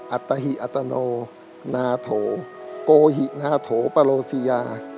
ัตตหิอัตโนนาโถโกหินาโถปโลซียา